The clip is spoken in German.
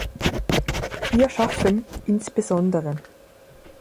Ihr Schaffen, insbes.